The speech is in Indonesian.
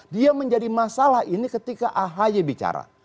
dia menjadi masalah ini ketika ahy bicara